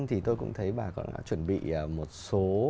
thì tôi cũng thấy bà cũng đã chuẩn bị một số